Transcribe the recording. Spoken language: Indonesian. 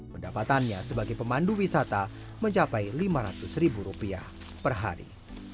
pendapatannya sebagai pemandu wisata mencapai lima ratus ribu rupiah per hari